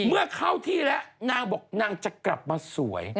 เมื่อเข้าที่แล้วนางบอกนางจะกลับมาสวย